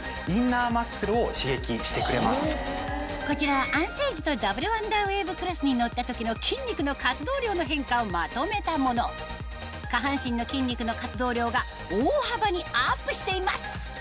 こちらは安静時とダブルワンダーウェーブクロスに乗った時の筋肉の活動量の変化をまとめたもの下半身の筋肉の活動量が大幅にアップしています